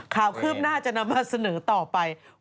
ข่าวคืบหน้าจะนำมาสนุต่อไป